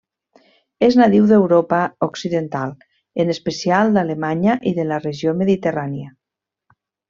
És nadiu d'Europa occidental en especial d'Alemanya i de la regió mediterrània.